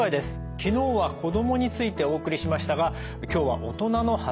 昨日は子供についてお送りしましたが今日は大人の発達障害について。